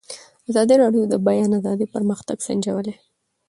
ازادي راډیو د د بیان آزادي پرمختګ سنجولی.